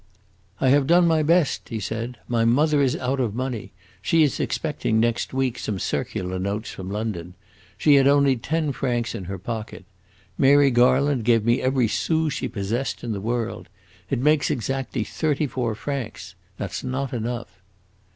"I have done my best!" he said. "My mother is out of money; she is expecting next week some circular notes from London. She had only ten francs in her pocket. Mary Garland gave me every sou she possessed in the world. It makes exactly thirty four francs. That 's not enough."